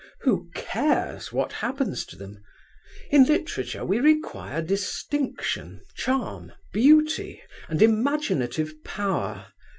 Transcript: Who cares what happens to them? In literature we require distinction, charm, beauty and imaginative power.